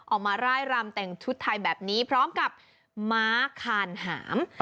มาร่ายรำแต่งชุดไทยแบบนี้พร้อมกับม้าคานหาม